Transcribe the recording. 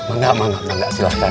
enggak enggak silahkan